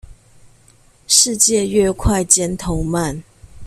世界越快尖頭鰻